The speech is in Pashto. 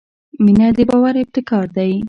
• مینه د باور ابتکار دی.